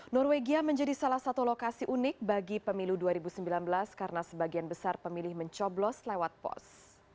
norwegia menjadi salah satu lokasi unik bagi pemilu dua ribu sembilan belas karena sebagian besar pemilih mencoblos lewat pos